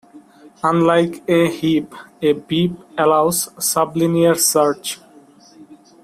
Unlike a heap, a beap allows sublinear search.